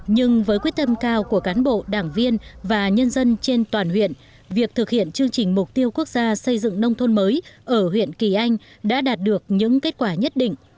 nhưng với quyết tâm cao của cán bộ đảng viên và nhân dân trên toàn huyện việc thực hiện chương trình mục tiêu quốc gia xây dựng nông thôn mới ở huyện kỳ anh đã đạt được những kết quả nhất định